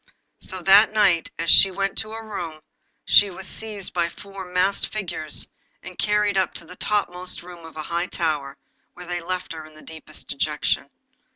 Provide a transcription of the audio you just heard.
So that night, as she went to her room, she was seized by four masked figures, and carried up into the topmost room of a high tower, where they left her in the deepest dejection.